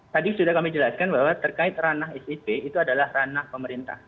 tadi sudah kami jelaskan bahwa terkait ranah sip itu adalah ranah pemerintah